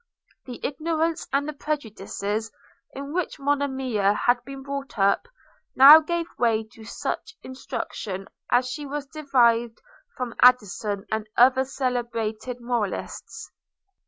The ignorance and the prejudices in which Monimia had been brought up, now gave way to such instruction as she derived from Addison and other celebrated moralists.